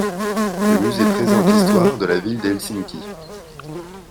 Le musée présente l'histoire de la ville d’Helsinki.